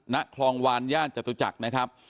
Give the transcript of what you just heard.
ณคลองวานย่านจตุจักรนะครับ